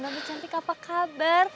tante cantik apa kabar